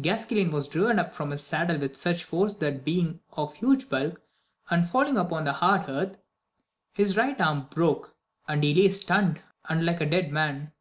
Gasquilan was driven from his saddle with such force, that being of huge bulk, and falling upon the hard earth, his right arm broke, and he lay stunned and like a dead man.